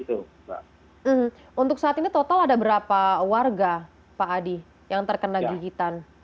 untuk saat ini total ada berapa warga pak adi yang terkena gigitan